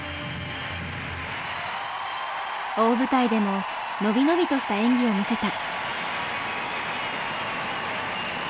大舞台でも伸び伸びとした演技を見せた。